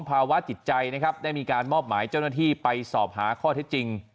ภาวะจิตใจนะครับได้มีการมอบหมายเจ้าหน้าที่ไปสอบหาข้อเท็จจริง